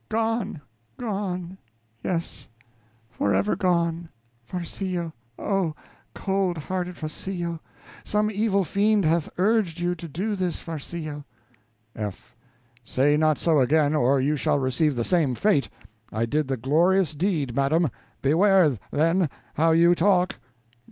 Gone, gone yes, forever gone! Farcillo, oh, cold hearted Farcillo, some evil fiend hath urged you to do this, Farcillo. F. Say not so again, or you shall receive the same fate. I did the glorious deed, madam beware, then, how you talk.